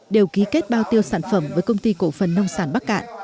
đều ký kết bao tiêu sản phẩm với công ty cổ phần nông sản bắc cạn